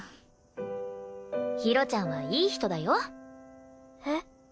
ひろちゃんはいい人だよ。えっ？